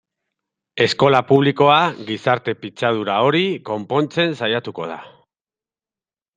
Eskola publikoa gizarte pitzadura hori konpontzen saiatuko da.